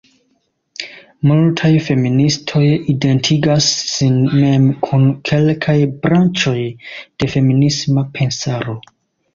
Multaj feministoj identigas sin mem kun kelkaj branĉoj de feminisma pensaro.